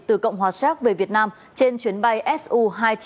từ cộng hòa séc về việt nam trên chuyến bay su hai trăm chín mươi